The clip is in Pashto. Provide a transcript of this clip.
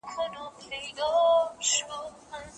دورکهایم نوی فکر وړاندې کړ.